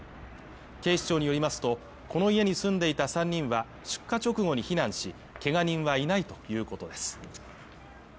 警視庁によりますと、この家に住んでいた３人は出火直後に避難し、けが人はいないということです。